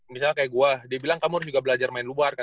misalnya kayak gue dia bilang kamu harus juga belajar main lubar